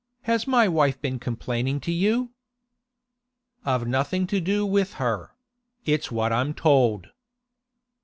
'Has my wife been complaining to you?' 'I've nothing to do with her; it's what I'm told.